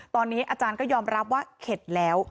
ตอนนี้อาจารย์ก็ยอมรับว่าเข็ดแล้ว